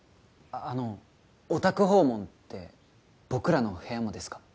あのお宅訪問って僕らの部屋もですか？